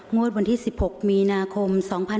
งวดวันที่๑๖มีนาคม